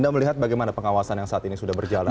anda melihat bagaimana pengawasan yang saat ini sudah berjalan